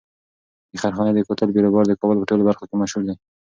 د خیرخانې د کوتل بیروبار د کابل په ټولو برخو کې مشهور دی.